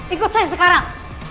ikut saya sekarang